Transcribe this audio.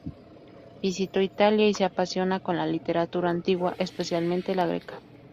Visitó Italia y se apasiona con la literatura antigua, especialmente la greca.